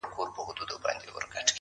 چي زموږ څه واخله دا خيرن لاســـــونه.